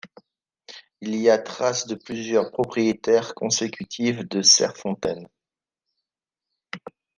Il y a trace de plusieurs propriétaires consécutives de Cerfontaine.